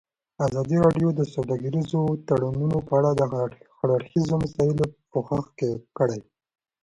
ازادي راډیو د سوداګریز تړونونه په اړه د هر اړخیزو مسایلو پوښښ کړی.